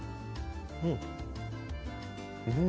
うん。